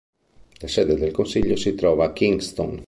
La sede del consiglio si trova a Kingston.